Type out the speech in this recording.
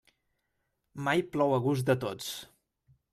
Mai plou a gust de tots.